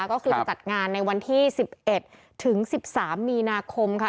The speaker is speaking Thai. ก็คือจะจัดงานในวันที่๑๑ถึง๑๓มีนาคมค่ะ